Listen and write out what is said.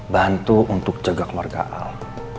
bantu untuk jaga keluarga al